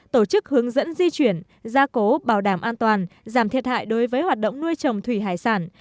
tổ chức hướng dẫn di chuyển gia cố bảo đảm an toàn giảm thiệt hại đối với hoạt động nuôi trồng thủy hải sản